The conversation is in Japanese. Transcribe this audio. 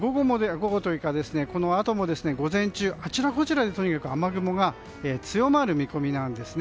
このあとも午前中あちらこちらでとにかく雨雲が強まる見込みです。